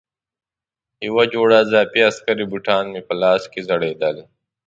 یوه جوړه اضافي عسکري بوټان یې په لاس کې ځړېدل.